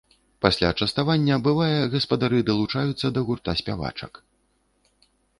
Пасля частавання, бывае, гаспадары далучаюцца да гурта спявачак.